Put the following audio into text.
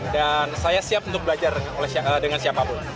dan saya siap untuk belajar dengan siapapun